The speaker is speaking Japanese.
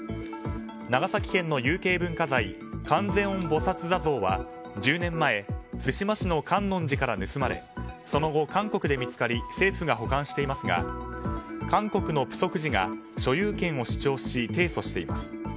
長崎県の有形文化財観世音菩薩坐像は１０年前対馬市の観音寺から盗まれその後、韓国で見つかり政府が保管していますが韓国の浮石寺が所有権を主張し提訴しています。